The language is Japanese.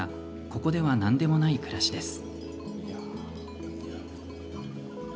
ここでは何でもない暮らしです。